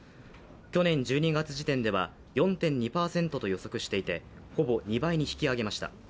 去年１２月時点では４．２％と予測していてほぼ２倍に引き上げました。